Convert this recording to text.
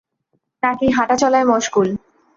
নাকি হাঁটাচলায় মশগুল?